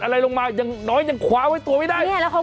อะไรลงมาอย่างน้อยจะควาไว้ตัวไม่ได้เนี่ยแล้วเขา